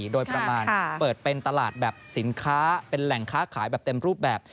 โดยประมาณเปิดเป็นตลาดแบบสินค้าเป็นแหล่งค้าขายแบบเต็มรูปแบบ